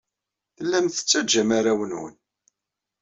Tellam tettajjam arraw-nwen.